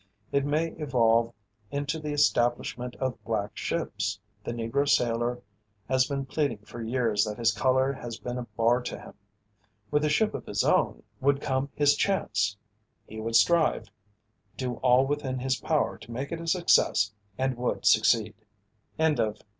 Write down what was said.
It may evolve into the establishment of "black ships." The Negro sailor has been pleading for years that his color has been a bar to him. With a ship of his own, would come his chance. He would strive; do all within his power to make it a success and would succeed. CHAPTER IX.